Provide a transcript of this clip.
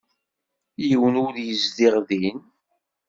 Yiwen ur yezdiɣ din.